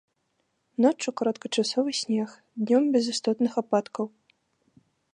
Ноччу кароткачасовы снег, днём без істотных ападкаў.